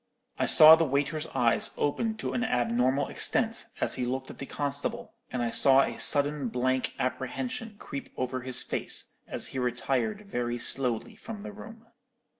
"I saw the waiter's eyes open to an abnormal extent, as he looked at the constable, and I saw a sudden blank apprehension creep over his face, as he retired very slowly from the room.